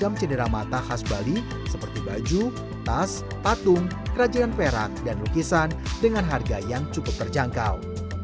bagi pencenderamata khas bali seperti baju tas tatung kerajaan perak dan lukisan dengan harga yang cukup terjangkau